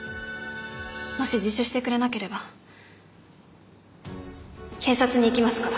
もし自首してくれなければ警察に行きますから。